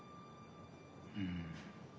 うん。